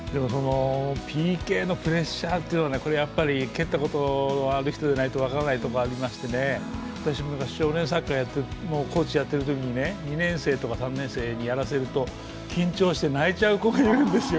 ＰＫのプレッシャーというのはやっぱり蹴ったことがある人でないと分からないところがありまして私も昔少年サッカーのコーチやってるときに２年生とか３年生とかやらせるとやらせると、緊張して泣いちゃう子もいるんですよ